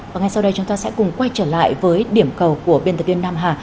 và ngay sau đây chúng ta sẽ cùng quay trở lại với điểm cầu của biên tập viên nam hà